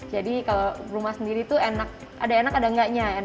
kalau rumah sendiri tuh enak ada enak ada enggaknya